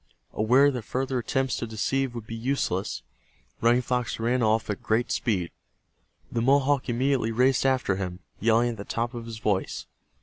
Aware that further attempts to deceive would be useless, Running Fox ran off at great speed. The Mohawk immediately raced after him, yelling at the top of his voice.